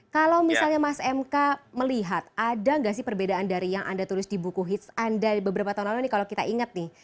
kalau misalnya mas mk melihat ada nggak sih perbedaan dari yang anda tulis di buku hits anda beberapa tahun lalu nih kalau kita ingat nih